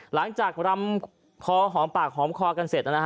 หลังจากรำพอหอมปากหอมคอกันเสร็จ